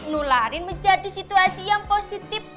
nularin menjadi situasi yang positif